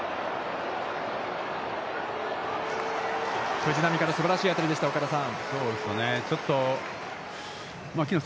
藤浪からすばらしい当たりでした、岡田さん。